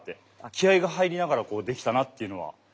気合いが入りながらこうできたなっていうのは。